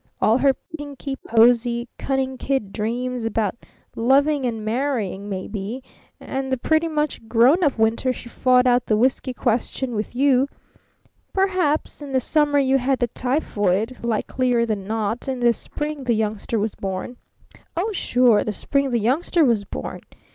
All her pinky posy, cunning kid dreams about loving and marrying, maybe; and the pretty much grown up winter she fought out the whisky question with you, perhaps; and the summer you had the typhoid, likelier than not; and the spring the youngster was born oh, sure, the spring the youngster was born!